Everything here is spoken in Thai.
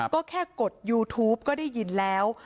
ก็แค่กดยูทูปก็ได้ยินแล้ว